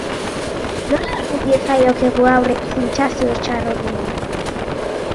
Nola egin diezaiokegu aurre sentsazio txar horri?